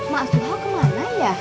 masua kemana ya